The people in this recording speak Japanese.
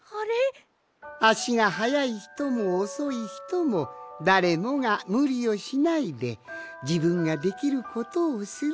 あしがはやいひともおそいひともだれもがむりをしないでじぶんができることをする。